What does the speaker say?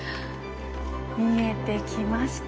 見えてきました。